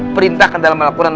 perintahkan dalam melakukan